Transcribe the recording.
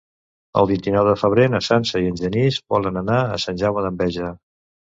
El vint-i-nou de febrer na Sança i en Genís volen anar a Sant Jaume d'Enveja.